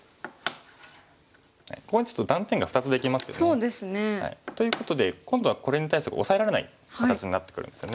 ここにちょっと断点が２つできますよね。ということで今度はこれに対してオサえられない形になってくるんですよね。